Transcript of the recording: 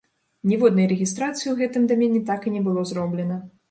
Ніводнай рэгістрацыі ў гэтым дамене так і не было зроблена.